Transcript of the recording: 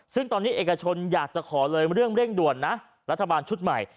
ซึ่งตอนนี้เอกชนอยากจะขอเลยเรื่องเร่งด่วนนะรัฐบาลชุดใหม่